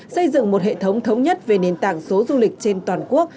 xây dựng một hệ thống thống nhất về nền tảng số du lịch trên toàn quốc